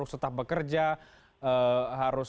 tetap bekerja harus